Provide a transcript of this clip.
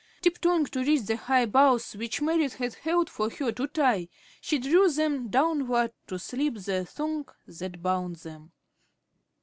Tiptoeing to reach the high boughs which Merrit had held for her to tie, she drew them downward to slip the thong that bound them.